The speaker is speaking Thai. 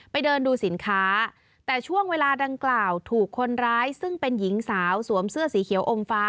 เดินดูสินค้าแต่ช่วงเวลาดังกล่าวถูกคนร้ายซึ่งเป็นหญิงสาวสวมเสื้อสีเขียวอมฟ้า